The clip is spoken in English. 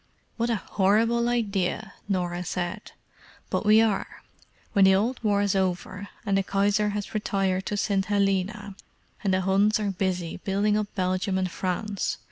"What a horrible idea!" Norah said. "But we are—when the old War's over, and the Kaiser has retired to St. Helena, and the Huns are busy building up Belgium and France.